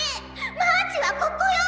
マーチはここよ！